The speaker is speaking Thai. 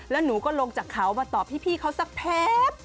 แล้วหนูก็ลงจากเขามาตอบพี่เขาสักแพบ